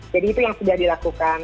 jadi itu yang sudah dilakukan